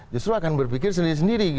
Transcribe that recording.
justru akan berpikir sendiri sendiri